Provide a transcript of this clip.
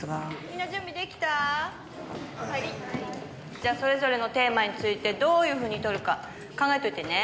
じゃあそれぞれのテーマについてどういう風に撮るか考えといてね。